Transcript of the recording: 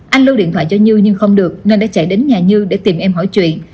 anh lưu điện thoại cho như nhưng không được nên đã chạy đến nhà như để tìm em hỏi chuyện